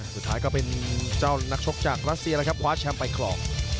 สุดท้ายก็เป็นเจ้านักชกจากรัสเซียแล้วครับคว้าแชมป์ไปครอง